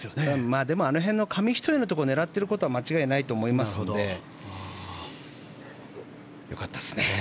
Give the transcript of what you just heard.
でも、あの辺の紙一重のところを狙っていることは間違いないと思いますので良かったですね。